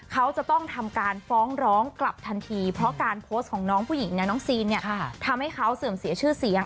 เขาจะต้องทำการฟ้องร้องกลับทันทีเพราะการโพสต์ของน้องผู้หญิงเนี่ยน้องซีนเนี่ยทำให้เขาเสื่อมเสียชื่อเสียง